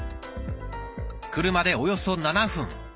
車でおよそ７分。